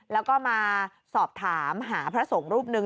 แล้วก็มาสอบถามหาพระสงฆ์รูปหนึ่ง